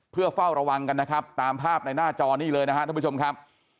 เพื่อเฝ้าระวังกันนะครับตามภาพในหน้าจอนี่เลยนะครับท่านผู้ชมครับ